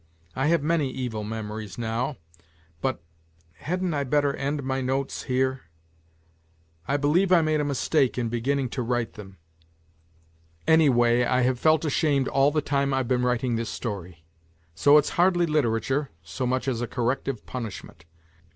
I have, many evil memories now, but ... hadn't I better end my " Notes " here ? I believe I made a mistake 154 NOTES FROM UNDERGROUND in beginning to write them, anyway I have felt ashamed all the time I've been writing this story; so it's hardly literature so much as a corrective punishment.